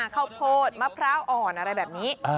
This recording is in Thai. ข้าวโพดมะพร้าวอ่อนอะไรแบบนี้